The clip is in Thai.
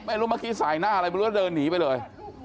ไม่รู้เมื่อกี้ใส่หน้าอะไรไม่รู้แล้วเดินหนีไปเลย